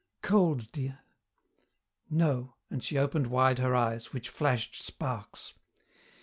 "Cold, dear?" "No," and she opened wide her eyes, which flashed sparks.